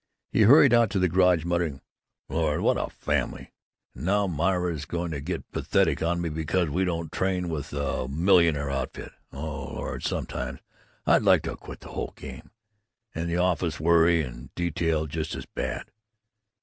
He hurried out to the garage, muttering: "Lord, what a family! And now Myra is going to get pathetic on me because we don't train with this millionaire outfit. Oh, Lord, sometimes I'd like to quit the whole game. And the office worry and detail just as bad.